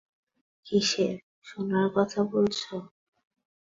কীসের, সোনার কথা বলছো?